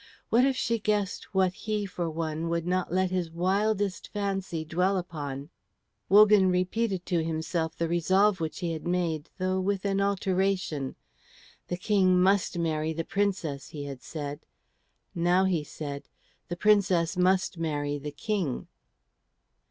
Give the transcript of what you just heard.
What if she guessed what he for one would not let his wildest fancy dwell upon? Wogan repeated to himself the resolve which he had made, though with an alteration. "The King must marry the Princess," he had said; now he said, "The Princess must marry the King."